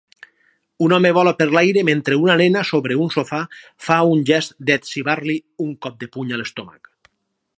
Un home vola per l'aire mentre una nena sobre un sofà fa un gest d'etzibar-li un cop de puny a l'estómac